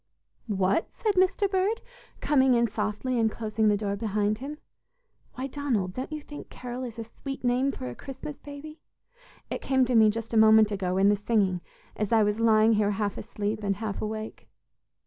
"What!" said Mr. Bird, coming in softly and closing the door behind him. "Why, Donald, don't you think 'Carol' is a sweet name for a Christmas baby? It came to me just a moment ago in the singing as I was lying here half asleep and half awake."